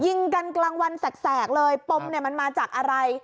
ยิงกันกลางวันแสกเลยปมเนี่ยมันมาจากอะไร